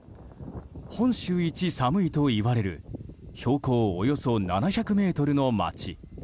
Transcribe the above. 本州一寒いといわれる標高およそ７００ｍの町。